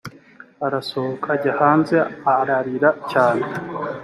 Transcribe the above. arasohoka ajya hanze ararira cyane